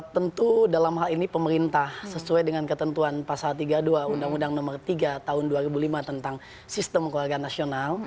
tentu dalam hal ini pemerintah sesuai dengan ketentuan pasal tiga puluh dua undang undang nomor tiga tahun dua ribu lima tentang sistem keluarga nasional